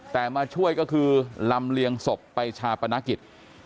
แต่มาช่วยก็คือลำเลียงศพไปชาปนกิจ